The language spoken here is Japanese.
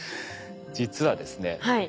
実はですね